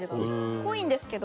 濃いんですけど。